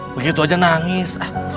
begitu aja nangis